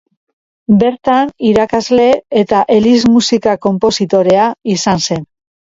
Bertan irakasle eta eliz musika konpositorea izan zen.